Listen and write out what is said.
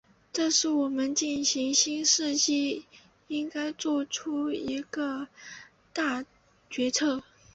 这是我们进入新世纪应该作出的一个大决策。